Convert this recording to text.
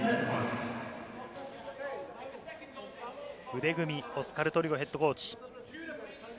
腕組み、オスカル・トリゴヘッドコーチ。